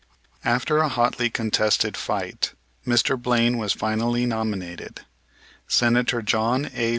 After a hotly contested fight Mr. Blaine was finally nominated. Senator John A.